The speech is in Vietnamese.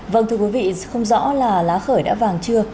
vâng thưa quý vị không rõ là lá khởi đã vàng chưa